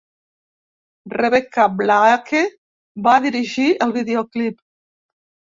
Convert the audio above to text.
Rebecca Blake va dirigir el videoclip.